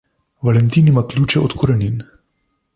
Valentin ima ključe od korenin.